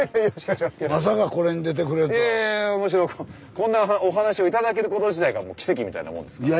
こんなお話を頂けること自体がもう奇跡みたいなもんですから。